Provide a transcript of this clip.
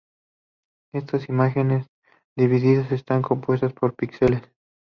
Estas imágenes divididas están compuestas por píxeles.